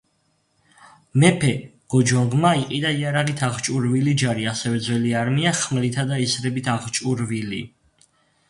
მეფე გოჯონგმა იყიდა იარაღით აღჭურვილი ჯარი, ასევე ძველი არმია ხმლითა და ისრებით აღჭურვილი.